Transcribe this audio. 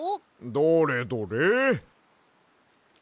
どれどれ？